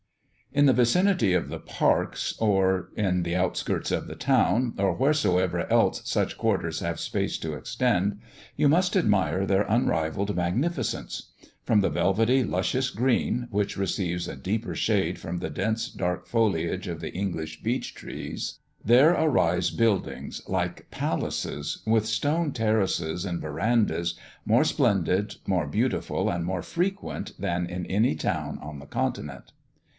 In the vicinity of the Parks, or in the outskirts of the town, or wheresoever else such quarters have space to extend, you must admire their unrivalled magnificence. From the velvety luscious green, which receives a deeper shade from the dense dark foliage of the English beech tree, there arise buildings, like palaces, with stone terraces and verandahs, more splendid, more beautiful, and more frequent than in any town on the continent.